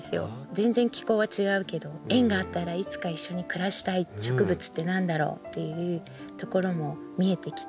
全然気候は違うけど縁があったらいつか一緒に暮らしたい植物って何だろうっていうところも見えてきて